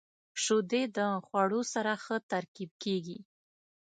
• شیدې د خوړو سره ښه ترکیب کیږي.